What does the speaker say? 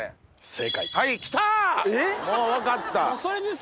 正解。